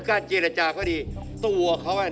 ก็ดีนะครับแต่มันสูง